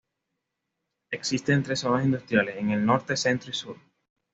Existen tres zonas industriales: en el Norte, Centro y Sur.